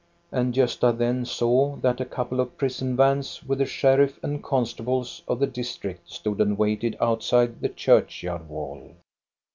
" And Gosta then saw that a couple of prison vans with the sheriff and constables of the district stood and waited outside the church yard wall.